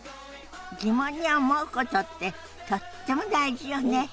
疑問に思うことってとっても大事よね。